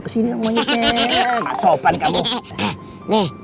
ke sini monyetnya pas sopan kamu nih